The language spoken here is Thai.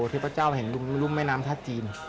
ที่พระเจ้าแห่งรุมแม่น้ำท่าจีน